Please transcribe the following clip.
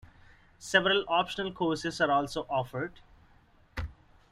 Several optional courses are also offered.